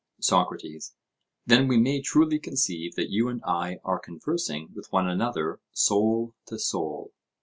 SOCRATES: Then we may truly conceive that you and I are conversing with one another, soul to soul?